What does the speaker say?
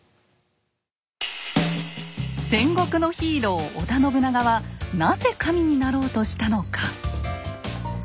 戦国のヒーロー織田信長はなぜ神になろうとしたのか？